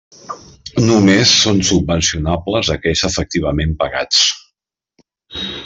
Només són subvencionables aquells efectivament pagats.